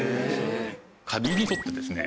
カビにとってですね